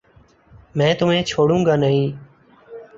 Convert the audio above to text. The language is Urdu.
میں تمہیں چھوڑوں گانہیں